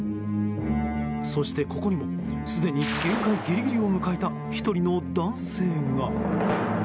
そして、ここにもすでに限界ギリギリを迎えた１人の男性が。